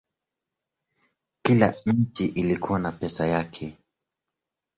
Kila nchi ilikuwa na pesa yake.